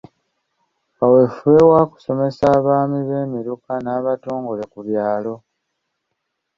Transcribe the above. Kaweefube wa kusomesa abaami b'emiruka n'abatongole ku byalo.